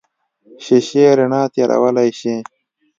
شیشې رڼا تېرولی شي.